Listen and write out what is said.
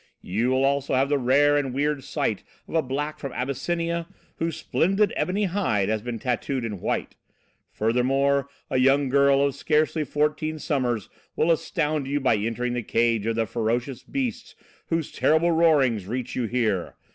"You will also have the rare and weird sight of a black from Abyssinia whose splendid ebony hide has been tattooed in white. Furthermore, a young girl of scarcely fourteen summers will astound you by entering the cage of the ferocious beasts, whose terrible roarings reach you here!